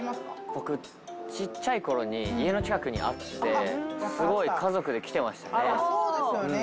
僕、ちっちゃい頃に家の近くにあって、すごい家族で来てましたね。